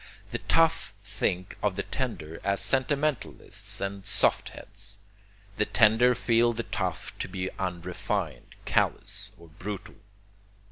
The tough think of the tender as sentimentalists and soft heads. The tender feel the tough to be unrefined, callous, or brutal.